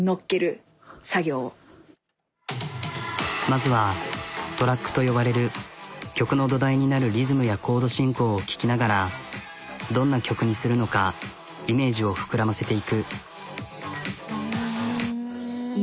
まずはトラックと呼ばれる曲の土台になるリズムやコード進行を聴きながらどんな曲にするのかイメージを膨らませていく。